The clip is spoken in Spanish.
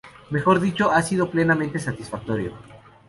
Mejor dicho, ha sido plenamente satisfactorio.